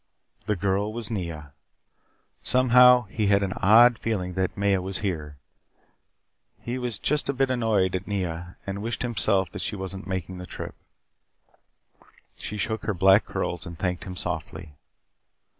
The girl was Nea. Somehow, he had an odd feeling that Maya was here. He was just a bit annoyed at Nea, and wished to himself that she wasn't making the trip. She shook her black curls and thanked him softly.